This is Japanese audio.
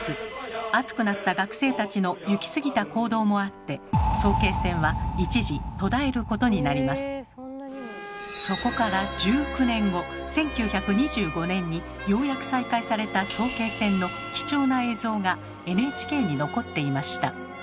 熱くなった学生たちの行きすぎた行動もあってそこから１９年後１９２５年にようやく再開された早慶戦の貴重な映像がＮＨＫに残っていました。